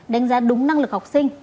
đánh giá đúng năng lực học sinh